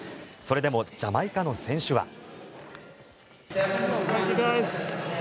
それでもジャマイカの選手は。